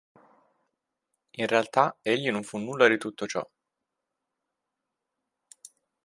In realtà egli non fu nulla di tutto ciò.